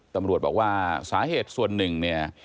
ตำรวจบอกว่าสาเหตุส่วนหนึ่งเนี่ย